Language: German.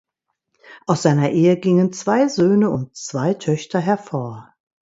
Aus seiner Ehe gingen zwei Söhne und zwei Töchter hervor.